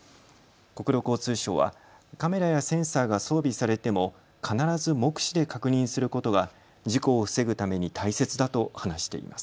国土交通省はカメラやセンサーが装備されても必ず目視で確認することが事故を防ぐために大切だと話しています。